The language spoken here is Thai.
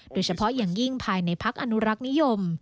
โดยเฉพาะอย่างยิ่งภายในพักอนุรักษ์นิยม